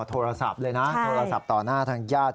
โทรศัพท์เลยนะโทรศัพท์ต่อหน้าทางญาติ